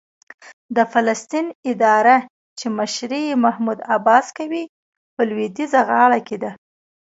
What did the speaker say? د فلسطین اداره چې مشري یې محمود عباس کوي، په لوېدیځه غاړه کې ده.